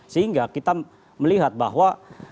sehingga kita melihat bahwa